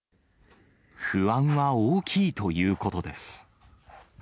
不安は大きいということです。